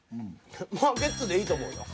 まあゲッツでいいと思うよ。